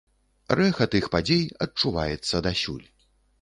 Рэха тых падзей адчуваецца дасюль.